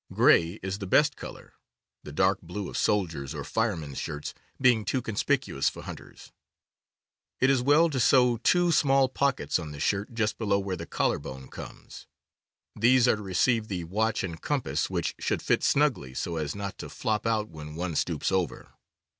Gray is the best color, the dark blue of soldiers' or firemen's shirts being too conspicuous for hunters. It is well to sew two small pockets on the shirt just below where the collar bone comes. These are to receive the watch and compass, which should fit snugly so as not to flop out when one stoops over.